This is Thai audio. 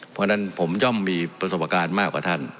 เพราะฉะนั้นผมย่อมมีประสบการณ์มากกว่าท่าน